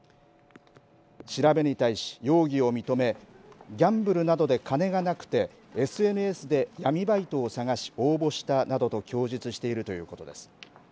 調べに対し、容疑を認めギャンブルなどで金がなくてＳＮＳで闇バイトを探し応募したなどと供述しているということです。